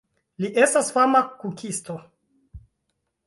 Li estas fama kukisto.